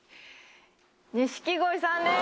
錦鯉さんです！